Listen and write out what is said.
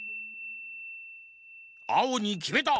あおにきめた！